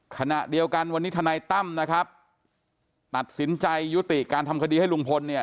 ขณะเดียวกันวันนี้ทนายตั้มนะครับตัดสินใจยุติการทำคดีให้ลุงพลเนี่ย